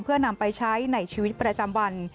เพื่อนำไปใช้ในชีวิตประจำวัน